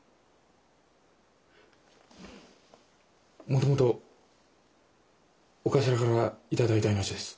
もともとお頭から頂いた命です。